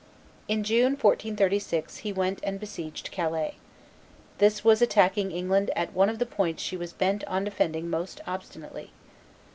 In June, 1436, he went and besieged Calais. This was attacking England at one of the points she was bent upon defending most obstinately.